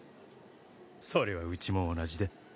それはうちも同じだ。